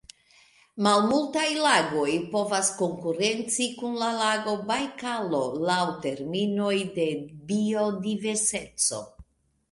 Malmultaj lagoj povas konkurenci kun la lago Bajkalo laŭ terminoj de biodiverseco.